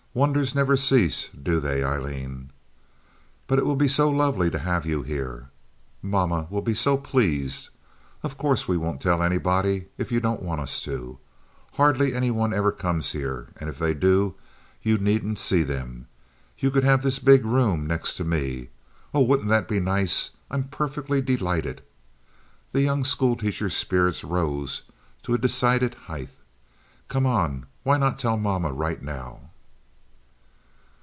"Wonders never cease, do they, Aileen? But it will be so lovely to have you here. Mama will be so pleased. Of course, we won't tell anybody if you don't want us to. Hardly any one ever comes here; and if they do, you needn't see them. You could have this big room next to me. Oh, wouldn't that be nice? I'm perfectly delighted." The young school teacher's spirits rose to a decided height. "Come on, why not tell mama right now?"